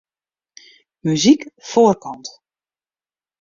Muzyk foarkant.